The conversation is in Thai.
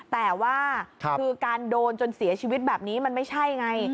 แต่ว่าคือการโดนจนเสียชีวิตแบบนี้มันไม่ใช่ไง